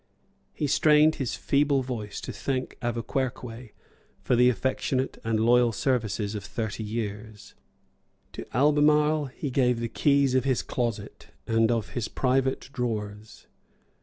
He strained his feeble voice to thank Auverquerque for the affectionate and loyal services of thirty years. To Albemarle he gave the keys of his closet, and of his private drawers.